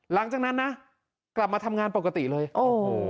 หลังจากนั้นนะกลับมาทำงานปกติเลยโอ้โห